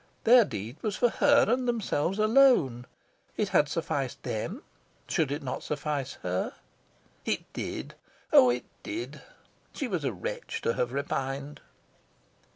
Their deed was for her and themselves alone. It had sufficed them. Should it not suffice her? It did, oh it did. She was a wretch to have repined.